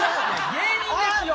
芸人ですよ！